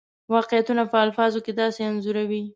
واقعیتونه په الفاظو کې داسې انځوروي.